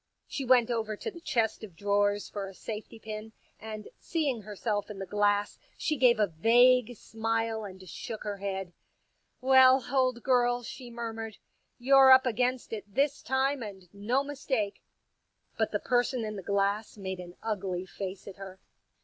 She went over to the chest of drawers for a safety pin, and seeing herself in the glass she gave a vague smile and shook her head. " Well, old girl," she murmured, " you're up against it this time, and no mistake." But the person in the glass made an ugly face at her.